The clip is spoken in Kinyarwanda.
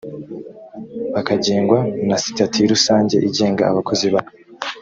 bakagengwa na sitati rusange igenga abakozi ba